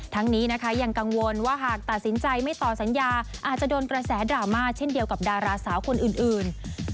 ทั้งนี้นะคะยังกังวลว่าหากตัดสินใจไม่ต่อสัญญาอาจจะโดนกระแสดราม่าเช่นเดียวกับดาราสาวคนอื่น